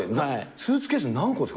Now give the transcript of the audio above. スーツケース何個ですか？